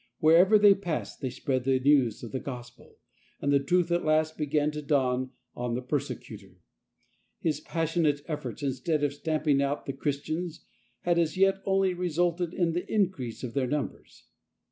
Wherever they passed they spread the news of the Gospel, and the truth at last began to dawn on the persecutor. His passionate efforts, instead of stamping out the Christians, had as yet only resulted in the increase of their numbers.